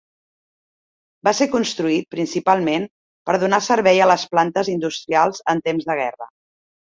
Va ser construït principalment per donar servei a les plantes industrials en temps de guerra.